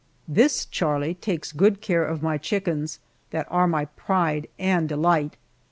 This Charlie takes good care of my chickens that are my pride and delight.